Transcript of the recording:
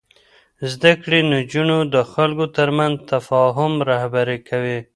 زده کړې نجونې د خلکو ترمنځ تفاهم رهبري کوي.